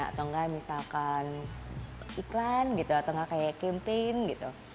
atau enggak misalkan iklan gitu atau nggak kayak campaign gitu